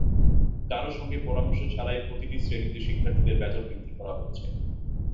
কারও সঙ্গে পরামর্শ ছাড়াই প্রতিটি শ্রেণিতে শিক্ষার্থীদের বেতন বৃদ্ধি করা হচ্ছে।